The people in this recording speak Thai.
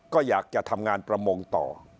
ก็อยากจะทำงานประมงต่อ